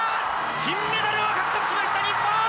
金メダルを獲得しました日本！